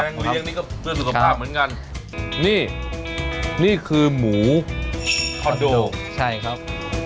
เลี้ยงนี่ก็เพื่อสุขภาพเหมือนกันนี่นี่คือหมูคอนโดใช่ครับ